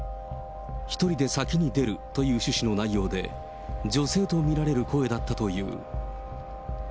１人で先に出るという趣旨の内容で、女性と見られる声だったという。